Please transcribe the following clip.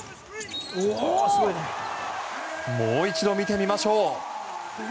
もう一度見てみましょう。